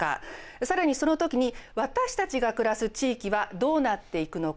更にその時に私たちが暮らす地域はどうなっていくのか。